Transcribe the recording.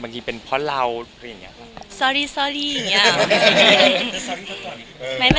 ไม่เป็นไร